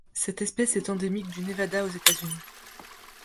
Cette espèce est endémique du Nevada aux États-Unis.